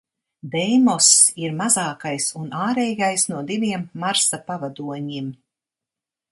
Deimoss ir mazākais un ārējais no diviem Marsa pavadoņiem.